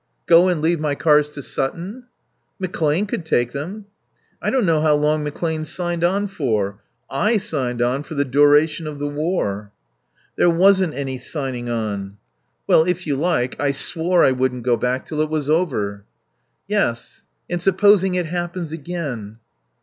Go and leave my cars to Sutton?" "McClane could take them." "I don't know how long McClane signed on for. I signed on for the duration of the war." "There wasn't any signing on." "Well, if you like, I swore I wouldn't go back till it was over." "Yes, and supposing it happens again."